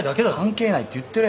関係ないって言ってるやろ。